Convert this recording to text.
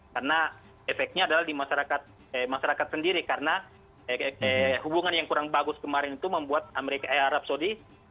karena efeknya adalah di masyarakat sendiri karena hubungan yang kurang bagus kemarin itu membuat arab saudi